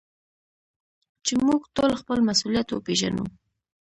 چي موږ ټول خپل مسؤليت وپېژنو.